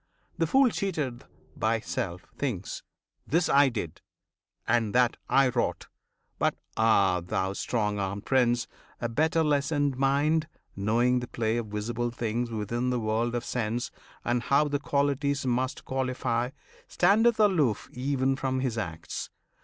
The fool, cheated by self, thinks, "This I did" And "That I wrought; "but ah, thou strong armed Prince! A better lessoned mind, knowing the play Of visible things within the world of sense, And how the qualities must qualify, Standeth aloof even from his acts.